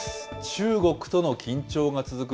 中国との緊張が続く